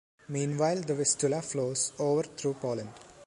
Meanwhile the Vistula flows over through Poland.